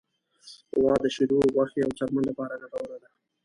غوا د شیدو، غوښې، او څرمن لپاره ګټوره ده.